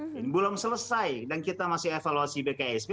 belum selesai dan kita masih evaluasi bksp